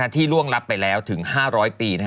ล่วงรับไปแล้วถึง๕๐๐ปี